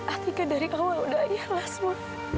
atika dari awal udah ayah lah semua